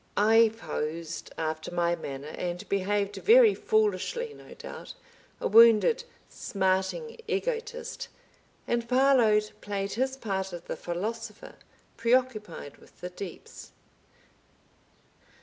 I posed after my manner and behaved very foolishly no doubt, a wounded, smarting egotist, and Parload played his part of the philosopher preoccupied with the deeps.